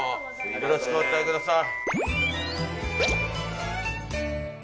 よろしくお伝えください。